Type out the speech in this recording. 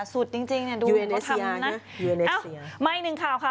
สุดจริงจริงเนี่ยดูเขาทำนะไม่หนึ่งข่าวค่ะ